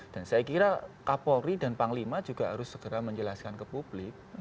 dan saya kira kapolri dan panglima juga harus segera menjelaskan ke publik